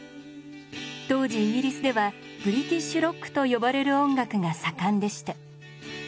当時イギリスではブリティッシュ・ロックと呼ばれる音楽が盛んでした。